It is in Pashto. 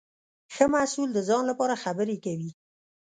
ښه محصول د ځان لپاره خبرې کوي.